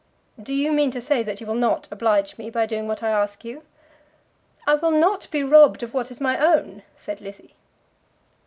"Do you mean to say that you will not oblige me by doing what I ask you?" "I will not be robbed of what is my own," said Lizzie.